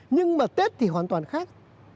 nhưng mà tết thì hoàn toàn khác